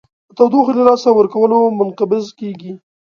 په تودوخې له لاسه ورکولو منقبض کیږي.